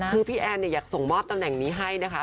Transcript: คือพี่แอนเนี่ยอยากส่งมอบตำแหน่งนี้ให้นะคะ